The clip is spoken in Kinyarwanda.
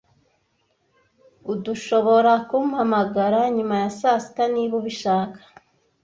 Urdushoborakumpamagara nyuma ya saa sita niba ubishaka.